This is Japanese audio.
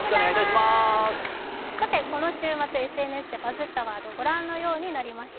この週末、ＳＮＳでバズったワードご覧のようになりました。